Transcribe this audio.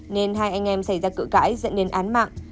nên hai anh em xảy ra cự cãi dẫn đến án mạng